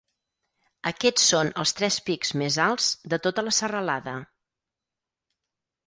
Aquests són els tres pics més alts de tota la serralada.